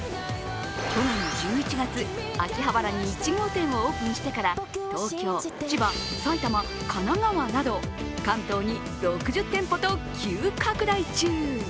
去年１１月、秋葉原に１号店をオープンしてから東京、千葉、埼玉、神奈川など関東に６０店舗と急拡大中。